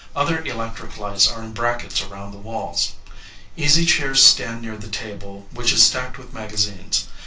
Other electric lights are in brackets around the walls. Easy chairs stand near the table, which 33 is stacked with magazines.